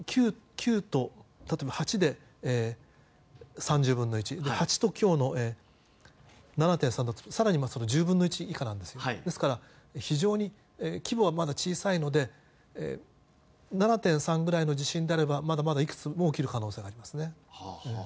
９と８で３０分の１７．３だとすると更にその１０分の１以下なんですよ。ですから非常に規模はまだ小さいので７．３ぐらいの地震であればまだまだいくつも起きる可能性がありますね。